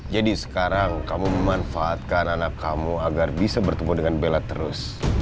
jadi sekarang kamu memanfaatkan anak kamu agar bisa bertemu dengan bella terus